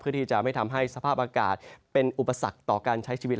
ที่จะไม่ทำให้สภาพอากาศเป็นอุปสรรคต่อการใช้ชีวิต